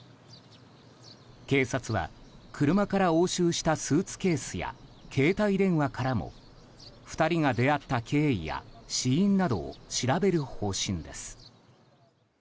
警察は車から押収したスーツケースや携帯電話からも２人が出会った経緯や死因などを調べる方針です。